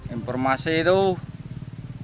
informasi itu rp lima belas